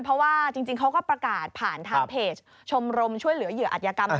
เพราะว่าจริงเขาก็ประกาศผ่านทางเพจชมรมช่วยเหลือเหยื่ออัธยกรรม